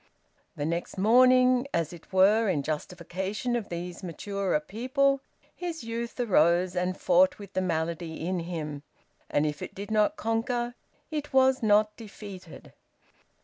The next morning, as it were in justification of these maturer people, his youth arose and fought with the malady in him, and, if it did not conquer, it was not defeated.